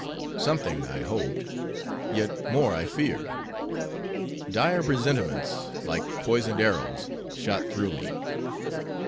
Something I hoped; yet more I feared. Dire presentiments, like poisoned arrows, shot through me.